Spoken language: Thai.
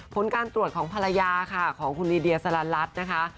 ผลการตรวจของภรรยาค่ะของคุณลีเดียสลันรัฐนะคะ